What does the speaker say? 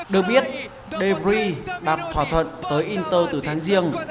được biết de vries đặt thỏa thuận tới inter từ tháng giêng